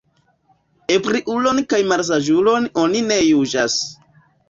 Ebriulon kaj malsaĝulon oni ne juĝas.